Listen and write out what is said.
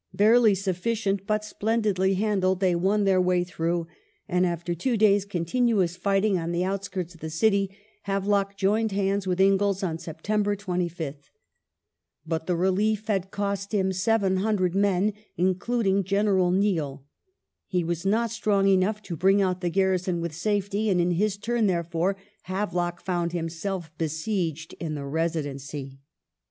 Barely sufficient, but splendidly handled, they won then* way through, and after two days' continuous fighting on the outskirts of the city, Havelock joined hands with Inglis on September 25 tL But the relief had cost him 700 men, including General Neill; he was not strong enough to bring out the ganison with safety, and in his turn, therefore, Havelock found himself besieged in the Residency.